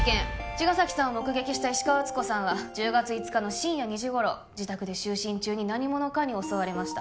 茅ヶ崎さんを目撃した石川敦子さんは１０月５日の深夜２時頃自宅で就寝中何者かに襲われました